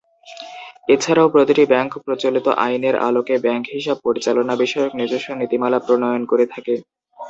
এছাড়াও প্রতিটি ব্যাংক প্রচলিত আইনের আলোকে ব্যাংক হিসাব পরিচালনা বিষয়ক নিজস্ব নীতিমালা প্রণয়ন করে থাকে।